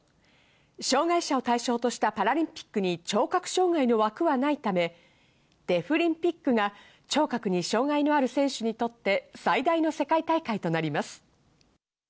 障害者を対象としたパラリンピックに聴覚障害のある枠はないため、デフリンピックが聴覚に障害のある選手にとって最大の世界大会となります。